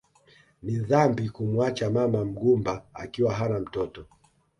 Ni dhambi kumuacha mama mgumba akiwa hana mtoto